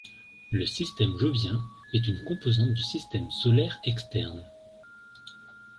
Le système jovien est une composante du Système solaire externe.